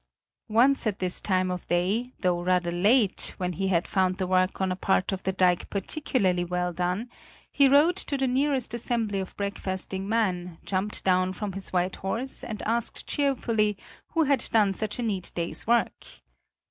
Once at this time of day, though rather late, when he had found the work on a part of the dike particularly well done, he rode to the nearest assembly of breakfasting men, jumped down from his white horse and asked cheerfully who had done such a neat day's work.